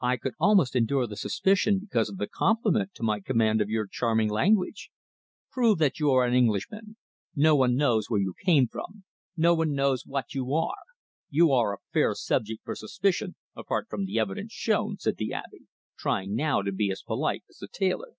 "I could almost endure the suspicion because of the compliment to my command of your charming language." "Prove that you are an Englishman. No one knows where you came from; no one knows what you are. You are a fair subject for suspicion, apart from the evidence shown," said the Abbe, trying now to be as polite as the tailor.